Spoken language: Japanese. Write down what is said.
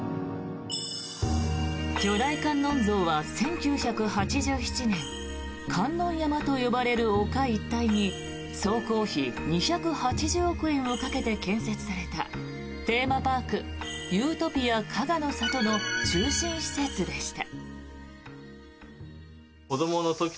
巨大観音像は１９８７年観音山と呼ばれる丘一帯に総工費２８０億円をかけて建設されたテーマパークユートピア加賀の郷の中心施設でした。